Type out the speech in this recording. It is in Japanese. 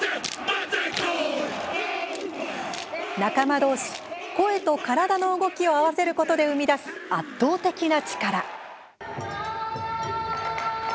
仲間どうし、声と体の動きを合わせることで生み出す圧倒的な力。